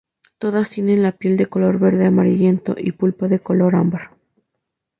Todas tienen la piel de color verde amarillento y pulpa de color ámbar.